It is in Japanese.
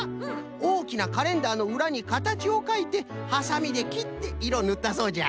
おおきなカレンダーのうらにかたちをかいてはさみできっていろぬったそうじゃ。